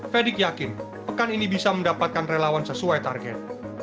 fedik yakin pekan ini bisa mendapatkan relawan sesuai target